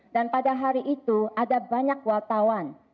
dan pada hari itu ada banyak wartawan